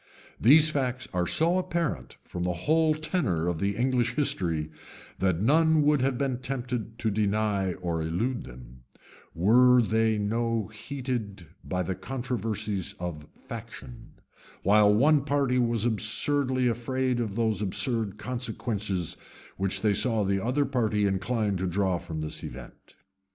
[] These facts are so apparent from the whole tenor of the English history, that none would have been tempted to deny or elude them, were they no heated by the controversies of faction; while one party was absurdly afraid of those absurd consequences which they saw the other party inclined to draw from this event.